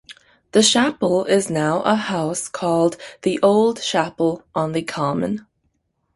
The chapel is now a house called "The Olde Chapel" on the Common.